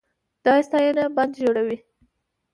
دا ستاینه بند ژوروي.